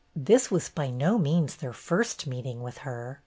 This was by no means their first meeting with her.